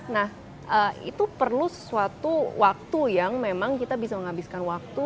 nah itu perlu suatu waktu yang memang kita bisa menghabiskan waktu